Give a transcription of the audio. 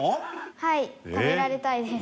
はい食べられたいです。